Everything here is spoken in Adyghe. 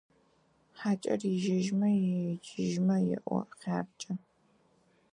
ХьакӀэр ежьэжьмэ, екӀыжьымэ еоӀо: «ХъяркӀэ!».